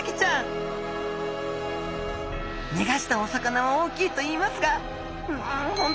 にがしたお魚は大きいと言いますがん